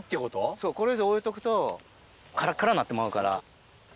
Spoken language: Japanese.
そう、これ以上置いとくと、からっからになってまうから。